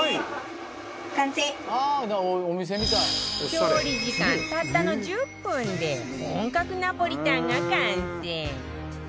調理時間たったの１０分で本格ナポリタンが完成